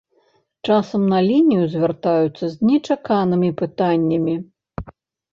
Часам на лінію звяртаюцца з нечаканымі пытаннямі.